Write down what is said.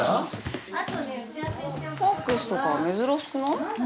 ファクスとか珍しくない？